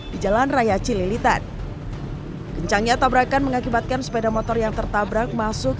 di jalan raya cililitan kencangnya tabrakan mengakibatkan sepeda motor yang tertabrak masuk